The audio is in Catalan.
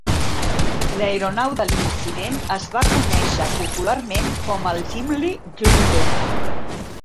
L'aeronau de l'incident es va conèixer popularment com el Gimli Glider.